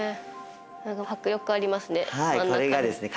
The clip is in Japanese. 迫力ありますね。